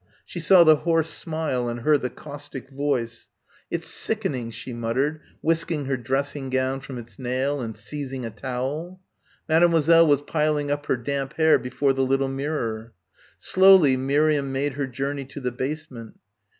She saw the horse smile and heard the caustic voice. "It's sickening," she muttered, whisking her dressing gown from its nail and seizing a towel. Mademoiselle was piling up her damp hair before the little mirror. Slowly Miriam made her journey to the basement.